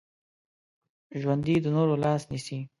ژوندي د نورو لاس نیسي